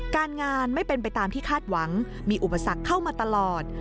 การงานไม่เป็นไปตามที่คาดหวังมีอุปสรรคเข้ามาตลอด